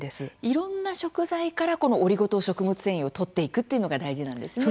いろんな食材からオリゴ糖、食物繊維をとっていくというのが大事なんですね。